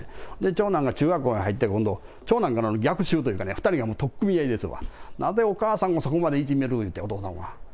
長男が中学校に入って、今度長男からの逆襲いうか、２人がもう取っ組み合いですわ、なぜお母さんをそこまでいじめる言うて、お父さんはと。